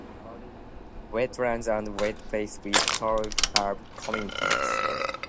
Wetlands and wet places with tall herb communities.